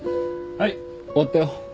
はい終わったよ。